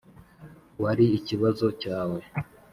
wari ikibazo cyawe.